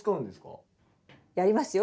やりますよ